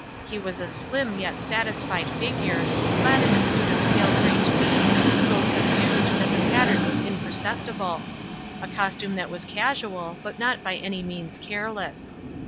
He was a slim yet satisfied figure, clad in a suit of pale grey tweed, so subdued that the pattern was imperceptible a costume that was casual but not by any means careless.